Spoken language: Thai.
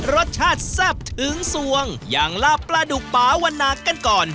รสชาติแซ่บถึงสวงอย่างลาบปลาดุกป่าวันนากันก่อน